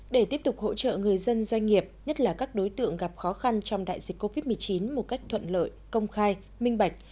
để tiếp tục hỗ trợ người dân doanh nghiệp nhất là các đối tượng gặp khó khăn trong đại dịch covid một mươi chín một cách thuận lợi công khai minh bạch